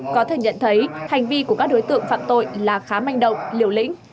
có thể nhận thấy hành vi của các đối tượng phạm tội là khá manh động liều lĩnh